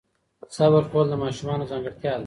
صبر کول د ماشومانو ځانګړتیا ده.